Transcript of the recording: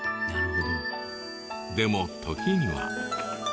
でも時には。